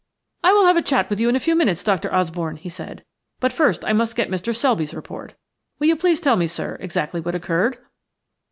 "I will have a chat with you in a few minutes, Dr. Osborne," he said; "but first I must get Mr. Selby's report. Will you please tell me, sir, exactly what occurred?"